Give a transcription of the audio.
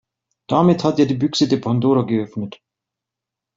Damit hat er die Büchse der Pandora geöffnet.